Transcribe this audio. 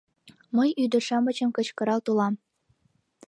Мый ӱдыр-шамычым кычкырал толам.